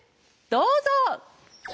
どうぞ！